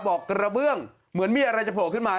กระเบื้องเหมือนมีอะไรจะโผล่ขึ้นมา